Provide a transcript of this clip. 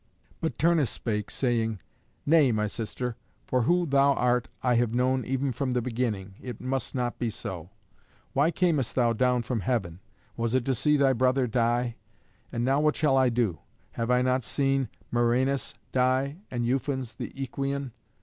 But Turnus spake, saying, "Nay, my sister, for who thou art I have known even from the beginning, it must not be so. Why camest thou down from heaven? Was it to see thy brother die? And now what shall I do? Have I not seen Murranus die and Ufens the Æquian?